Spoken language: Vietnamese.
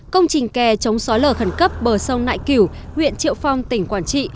công trình kè chống sói lở khẩn cấp bờ sông nại cửu huyện triệu phong tỉnh quảng trị